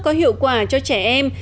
có hiệu quả cho trẻ em